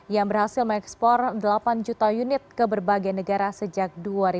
yang berhasil mengekspor delapan juta unit ke berbagai negara sejak dua ribu dua